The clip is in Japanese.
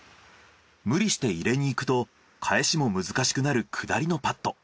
無理して入れにいくと返しも難しくなる下りのパット。